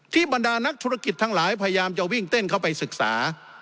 บรรดานักธุรกิจทั้งหลายพยายามจะวิ่งเต้นเข้าไปศึกษา